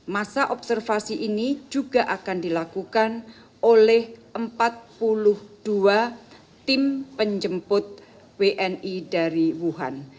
masa observasi ini juga akan dilakukan oleh empat puluh dua tim penjemput wni dari wuhan